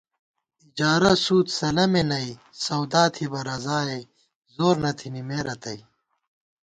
اِجارہ، سُود، سَلَمےنئ، سودا تھِبہ رضائے، زور نہ تھنی مے رتئ